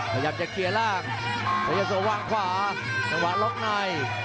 ขยับจะเขียนล่างมันว่างขวาครับนะคะลบหน่อย